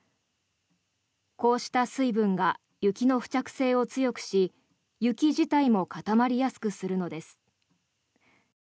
こうした水分が雪の付着性を強くし雪自体も固まりやすくするのです。